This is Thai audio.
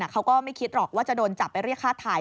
เขาก็ไม่คิดหรอกว่าจะโดนจับไปเรียกฆ่าไทย